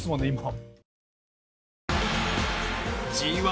今。